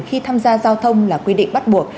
khi tham gia giao thông là quy định bắt buộc